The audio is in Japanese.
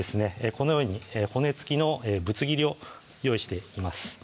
このように骨付きのぶつ切りを用意しています